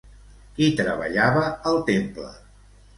Qui treballava al temple?